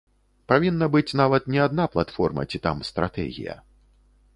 Павінна быць нават не адна платформа ці там стратэгія.